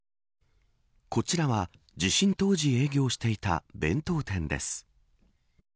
こちらは地震当時営業していた弁当店です。